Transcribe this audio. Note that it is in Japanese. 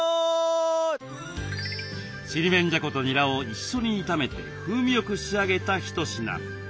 ちりめんじゃことにらを一緒に炒めて風味よく仕上げた一品。